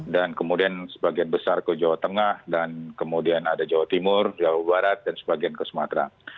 dan kemudian sebagian besar ke jawa tengah dan kemudian ada jawa timur jawa barat dan sebagian ke sebagian